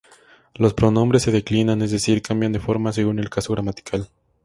Los pronombres se declinan, es decir, cambian de forma según el caso gramatical.